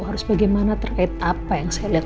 harus bagaimana terkait apa yang saya lihat